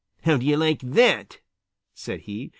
"How do you like that?" said he.